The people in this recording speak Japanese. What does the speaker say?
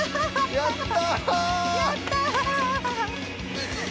やった。